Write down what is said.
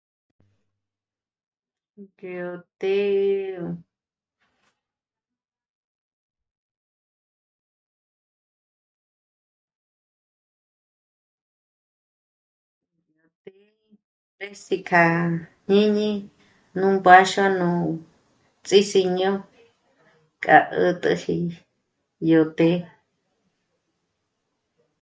Yó té... rí mbés'i k'a jñíni nú mbáxua nú ts'ísi'ño k'a ä̀'täji yó té